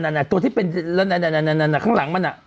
นั่นตัวที่เป็นข้างหลังมันอะ